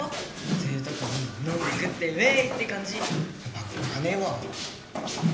贅沢に飲んで食ってウエーイって感じバカ金は？